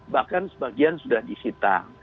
bahkan sebagian sudah disita